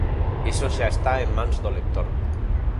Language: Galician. Iso xa está en mans do lector.